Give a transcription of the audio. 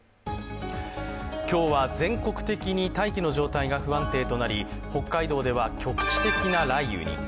今日は全国的に大気の状態が不安定となり北海道では局地的な雷雨に。